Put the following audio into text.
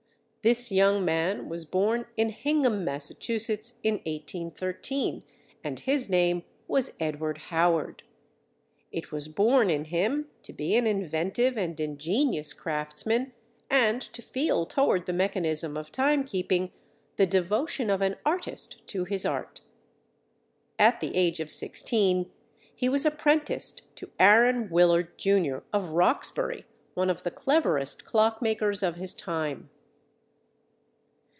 This young man was born in Hingham, Massachusetts, in 1813, and his name was Edward Howard; it was born in him to be an inventive and ingenious craftsman and to feel toward the mechanism of time keeping the devotion of an artist to his art. At the age of sixteen, he was apprenticed to Aaron Willard, Jr., of Roxbury, one of the cleverest clock makers of his time.